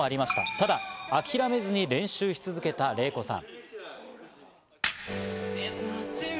ただ諦めずに練習を続けたレイコさん。